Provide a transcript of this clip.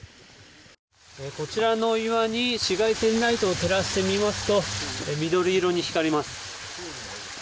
こちらの岩に紫外線ライトを照らしてみますと緑色に光ります。